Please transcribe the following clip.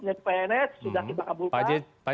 menyebut pns sudah dibangunkan